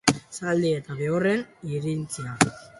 Zaldien eta behorren irrintziak.